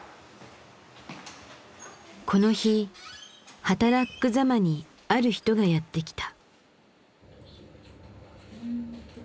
この日はたらっく・ざまにある人がやって来た。